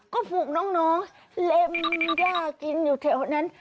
ก็ผูกน้องเล็มย่ากินอยู่แถวนั้น